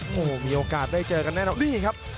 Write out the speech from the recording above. โอ้โหมีโอกาสได้เจอกันแน่นอนนี่ครับ